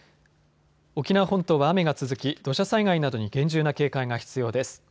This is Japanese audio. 沖縄本島は雨が続き土砂災害などに厳重な警戒が必要です。